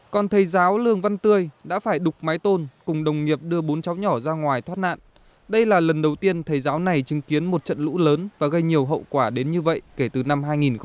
còn thầy giáo lương văn tươi đã phải đục mái tôn cùng đồng nghiệp đưa bốn cháu nhỏ ra ngoài thoát nạn đây là lần đầu tiên thầy giáo này chứng kiến một trận lũ lớn và gây nhiều hậu quả đến như vậy kể từ năm hai nghìn một mươi